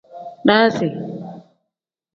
Daazi.